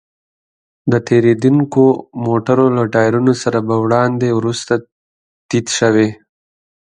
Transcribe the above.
د تېرېدونکو موټرو له ټايرونو سره به وړاندې وروسته تيت شوې.